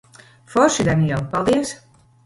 Forši, Daniel. Paldies.